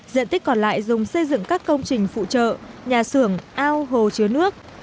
diện tích còn lại dùng xây dựng các công trình phụ trợ nhà xưởng ao hồ chứa nước